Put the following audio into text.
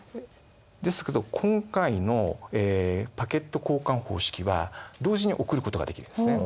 ですけど今回のパケット交換方式は同時に送ることができるんですね。